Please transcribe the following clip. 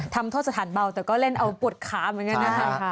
ทำโทษสถานเบาแต่ก็เล่นเอาปวดขามันก็ได้